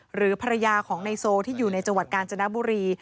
หรือภรรยาของนายโซที่อยู่ในจังหวัดกาญจนบุรี